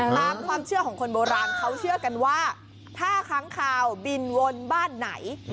ตามความเชื่อของคนโบราณเขาเชื่อกันว่าถ้าค้างคาวบินวนบ้านไหน